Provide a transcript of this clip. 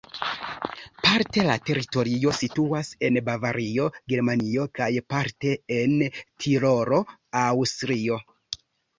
Parte la teritorio situas en Bavario, Germanio kaj parte en Tirolo, Aŭstrio.